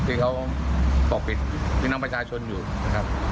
ที่เขาปกปิดพี่น้องประชาชนอยู่นะครับ